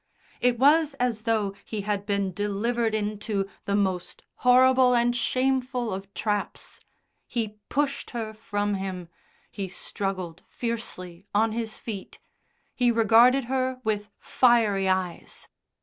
It was as though he had been delivered into the most horrible and shameful of traps. He pushed her from him; he struggled fiercely on his feet. He regarded her with fiery eyes.